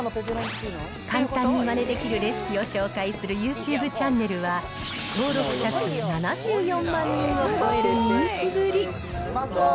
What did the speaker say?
簡単にまねできるレシピを紹介するユーチューブチャンネルは、登録者数７４万人を超える人気ぶり。